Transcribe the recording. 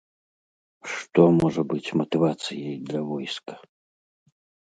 Што можа быць матывацыяй для войска?